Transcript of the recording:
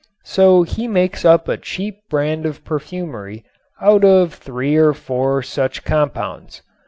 So he makes up a cheap brand of perfumery out of three or four such compounds.